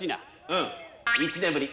うん１年ぶり。